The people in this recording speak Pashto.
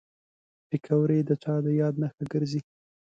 پکورې د چا د یاد نښه ګرځي